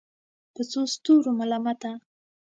په څو ستورو ملامته